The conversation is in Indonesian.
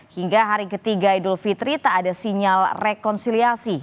hingga hari ketiga idul fitri tak ada sinyal rekonsiliasi